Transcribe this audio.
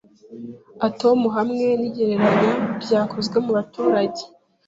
Atom hamwe ni igereranya ryakozwe mubaturage